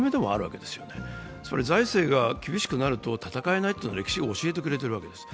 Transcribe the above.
つまり財政が厳しくなると戦えないというのは歴史が教えてくれているわけです。